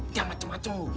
tidak macem macem lu